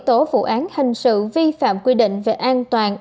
tố vụ án hình sự vi phạm quy định về an toàn